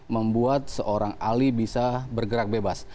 membuat seorang ali bisa bergerak bebas